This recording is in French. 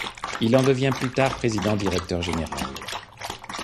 Il en devient plus tard président-directeur général.